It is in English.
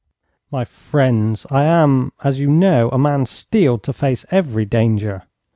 My friends, I am, as you know, a man steeled to face every danger.